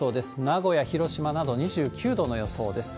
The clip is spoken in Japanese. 名古屋、広島など２９度の予想です。